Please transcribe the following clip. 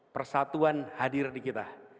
persatuan hadir di kita